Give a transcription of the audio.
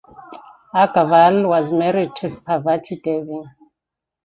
Agarwal was married to Parvati Devi.